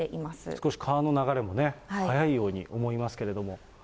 少し川の流れも速いように思いますけれども。